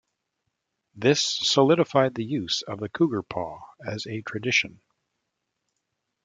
This solidified the use of the Cougar Paw as a tradition.